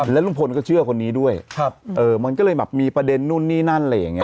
แล้วลุงพลก็เชื่อคนนี้ด้วยมันก็เลยแบบมีประเด็นนู่นนี่นั่นอะไรอย่างนี้